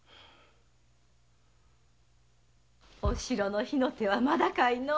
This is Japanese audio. お城の火の手はまだかいのう？